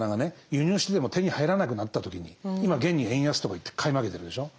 輸入してても手に入らなくなった時に今現に円安とかいって買い負けてるでしょ。